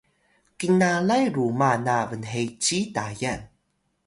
kinnalay ruma na bnheci Tayal